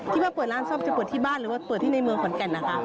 ว่าเปิดร้านซ่อมจะเปิดที่บ้านหรือว่าเปิดที่ในเมืองขอนแก่นนะคะ